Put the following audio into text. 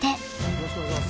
よろしくお願いします。